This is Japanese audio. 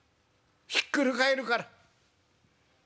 ひっくる返るから。